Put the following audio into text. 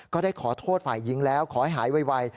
ก็ได้ขอโทษฝ่ายหญิงแล้วขอให้หายไว